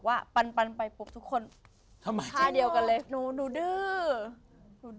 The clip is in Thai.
ว่าใครได้ฟังและพูดปุ๊บ